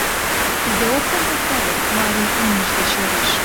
— Тиде — опкын покта вет? — марий имньыж деч йодеш.